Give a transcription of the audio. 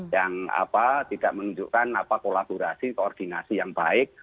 yang apa tidak menunjukkan apa kolaborasi koordinasi yang baik